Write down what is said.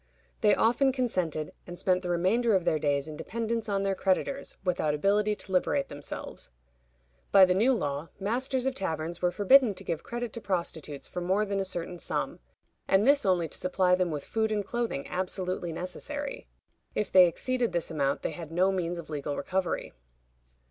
They often consented, and spent the remainder of their days in dependence on their creditors, without ability to liberate themselves. By the new law, masters of taverns were forbidden to give credit to prostitutes for more than a certain sum, and this only to supply them with food and clothing absolutely necessary. If they exceeded this amount they had no means of legal recovery.